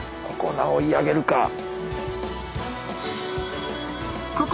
「ここな追い上げるか⁉」